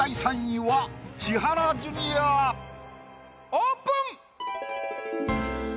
オープン！